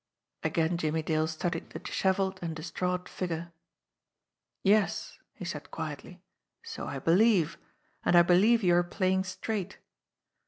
Again Jimmie Dale studied the dishevelled and distraught creature. "Yes," he said quietly, "so I believe, and I believe you are playing straight.